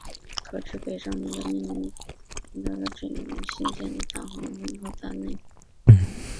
可知北上门的命名应在元朝元世祖至元初年修建大都皇宫和大内夹垣时。